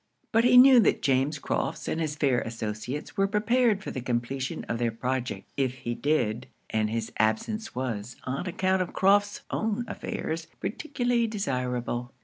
But he knew that James Crofts and his fair associates were prepared for the completion of their project if he did; and his absence was, on account of Crofts' own affairs, particularly desirable.